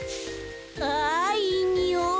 あいいにおい。